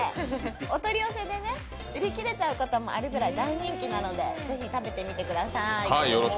お取り寄せで、売り切れちゃうこともあるぐらい大人気なのでぜひ食べてみてください。